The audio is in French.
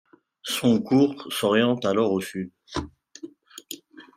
Son cours s'oriente alors au sud.